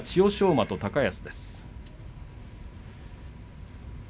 馬と高安です。